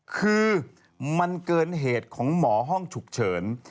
คือมันเกินเหตุของหมอห้องฉุกเฉิน